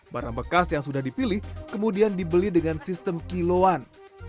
barang bekas yang sudah dipilih kemudian dibeli dengan sistem kiloan